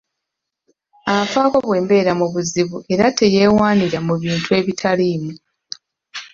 Anfaako bwe mbeera mu buzibu era teyewaanira mu bintu ebitaliimu.